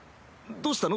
どうしたの？